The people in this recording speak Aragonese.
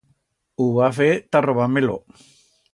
Hu va fer ta robar-me-lo.